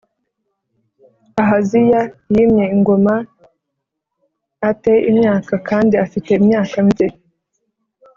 Ahaziya yimye ingoma ate imyaka kandi afite imyaka micye